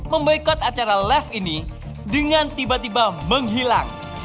membaikat acara live ini dengan tiba tiba menghilang